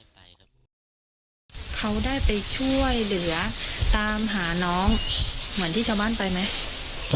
เขาได้ไปช่วยเหลือตามหาน้องเหมือนที่ชาวบ้านไปไหม